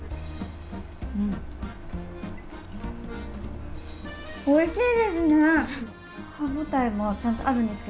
うん、おいしいですね。